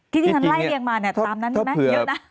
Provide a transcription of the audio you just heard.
ที่ที่ฉันไล่เรียกมาตามนั้นเยอะนะ